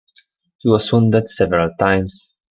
He was wounded several times.